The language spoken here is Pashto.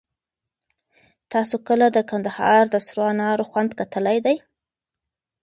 تاسو کله د کندهار د سرو انار خوند کتلی دی؟